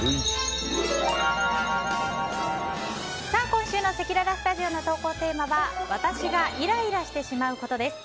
今週のせきららスタジオの投稿テーマは私がイライラしてしまうことです。